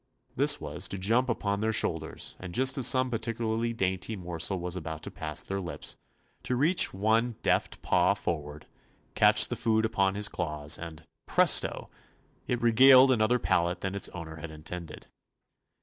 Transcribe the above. This was to jump upon their shoulders and just as some particularly dainty mor sel was about to pass their lips, to reach one deft paw forward, catch the food upon his claws, and — presto I it regaled another palate than its owner had intended.